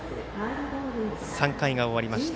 ３回が終わりました。